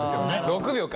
６秒か。